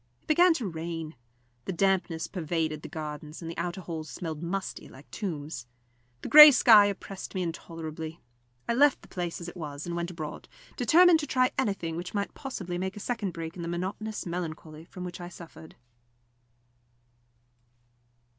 It began to rain. The dampness pervaded the gardens, and the outer halls smelled musty, like tombs; the grey sky oppressed me intolerably. I left the place as it was and went abroad, determined to try anything which might possibly make a second break in the monotonous melancholy from which I suffered.